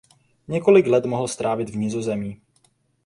Několik let mohl strávit v Nizozemí.